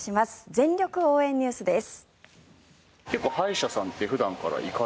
全力応援ＮＥＷＳです。